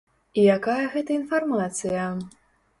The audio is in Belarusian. І якая гэта інфармацыя?